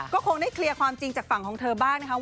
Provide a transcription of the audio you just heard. ก็คงได้เคลียร์ความจริงจากฝั่งของเธอบ้างนะคะ